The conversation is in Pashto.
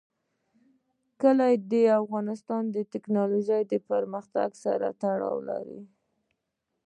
کلي د افغانستان د تکنالوژۍ پرمختګ سره تړاو لري.